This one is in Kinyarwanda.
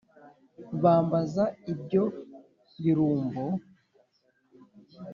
bambaza ibyo birumbo